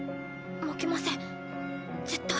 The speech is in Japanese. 負けません絶対。